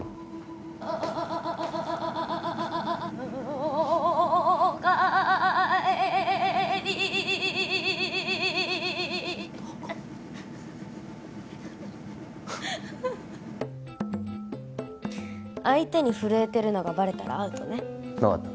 おかえり東郷相手に震えてるのがバレたらアウトね分かった